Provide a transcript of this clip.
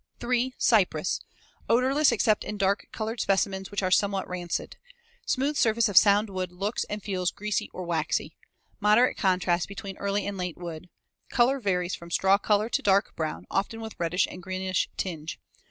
3. Cypress. Odorless except in dark colored specimens which are somewhat rancid. Smooth surface of sound wood looks and feels greasy or waxy. Moderate contrast between early and late wood. Color varies from straw color to dark brown, often with reddish and greenish tinge.